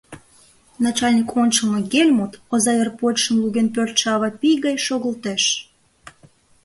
Начальник ончылно Гельмут оза йыр почшым луген пӧрдшӧ ава пий гай шогылтеш.